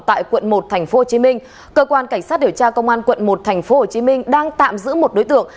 tại quận một tp hcm cơ quan cảnh sát điều tra công an quận một tp hcm đang tạm giữ một đối tượng